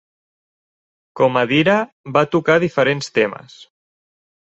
Comadira va tocar diferents temes.